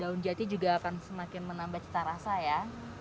daun jati juga akan semakin menambah cita rasa ya